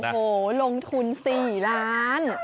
โอ้โหลงทุน๔ล้าน